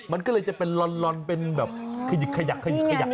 มันก็เลยจะเป็นลอนเป็นแบบขยักขยัก